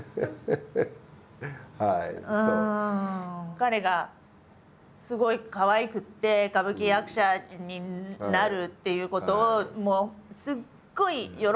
彼がすごいかわいくて歌舞伎役者になるっていうことをもうすっごい喜んでたし。